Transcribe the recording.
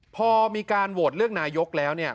พอมีการโหวตเลือกนายกแล้ว